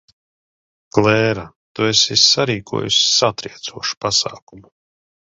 Klēra, tu esi sarīkojusi satriecošu pasākumu.